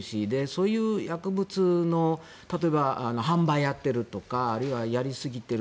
そういう薬物の例えば販売をやっているとかあるいはやりすぎてる